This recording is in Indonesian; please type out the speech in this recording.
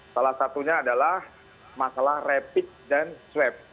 salah satunya adalah masalah rapid dan swab